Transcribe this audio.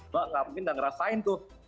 mbak nggak mungkin dan ngerasain tuh